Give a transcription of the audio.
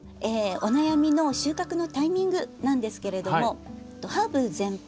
お悩みの収穫のタイミングなんですけれどもハーブ全般